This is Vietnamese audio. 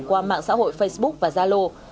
qua mạng xã hội facebook và zalo